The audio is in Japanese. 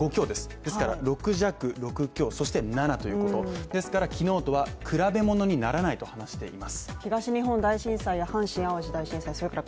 ですから、６弱６強そして７ということですから昨日とは比べ物にならないと話しています。